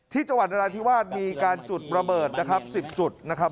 ที่จังหวัดนรัฐที่ว่านมีการจุดประเบิดนะครับสิบจุดนะครับ